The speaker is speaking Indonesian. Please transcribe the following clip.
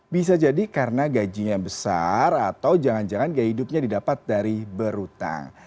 bisa jadi karena gajinya besar atau jangan jangan gaya hidupnya didapat dari berhutang